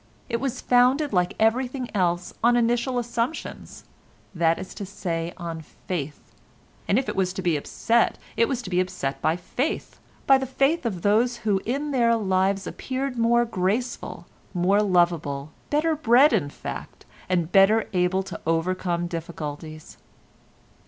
It was founded, like everything else, on initial assumptions, that is to say on faith, and if it was to be upset it was to be upset by faith, by the faith of those who in their lives appeared more graceful, more lovable, better bred, in fact, and better able to overcome difficulties.